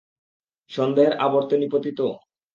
সন্দেহের আবর্তে নিপতিত?